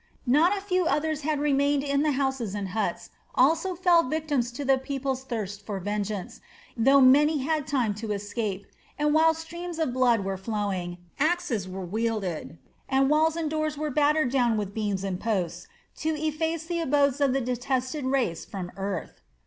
Not a few others who had remained in the houses and huts also fell victims to the people's thirst for vengeance, though many had time to escape, and while streams of blood were flowing, axes were wielded, and walls and doors were battered down with beams and posts to efface the abodes of the detested race from the earth.